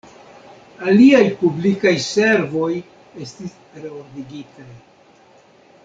Aliaj publikaj servoj estis “reordigitaj.